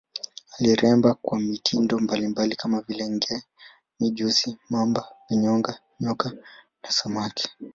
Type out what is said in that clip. Aliremba kwa mitindo mbalimbali kama vile nge, mijusi, mamba, vinyonga, nyoka na samaki.